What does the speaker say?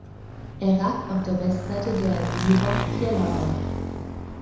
Er ragt auf der Westseite der Sivorgfjella auf.